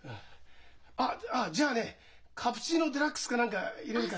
あっじゃあねカプチーノデラックスか何かいれるから。